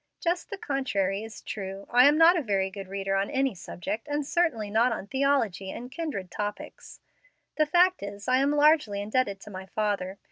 Just the contrary is true. I am not a very great reader on any subject, and certainly not on theology and kindred topics. The fact is I am largely indebted to my father.